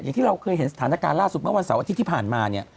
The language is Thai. อย่างที่เราเคยเห็นสถานการณ์ล่าสุดเมื่อวันเสาร์อาทิตย์ที่ผ่านมาเนี่ย